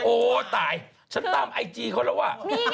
โอ้ตายฉันตามไอจีเขาแล้วอ่ะ